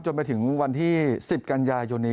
ไปถึงวันที่๑๐กันยายนนี้